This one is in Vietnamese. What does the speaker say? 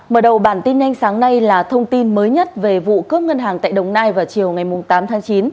mở đầu bản tin nhanh sáng nay là thông tin mới nhất về vụ cướp ngân hàng tại đồng nai vào chiều ngày tám tháng chín